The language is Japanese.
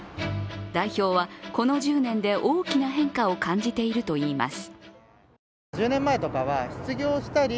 代表はこの１０年で大きな変化を感じているといいます。